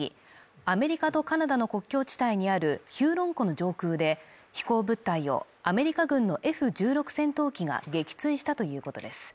アメリカとカナダの国境地帯にあるヒューロン湖の上空で飛行物体をアメリカ軍のＦー１６戦闘機が撃墜したということです